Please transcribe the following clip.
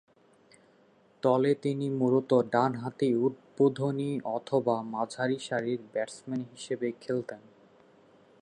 দলে তিনি মূলতঃ ডানহাতি উদ্বোধনী অথবা মাঝারিসারির ব্যাটসম্যান হিসেবে খেলতেন।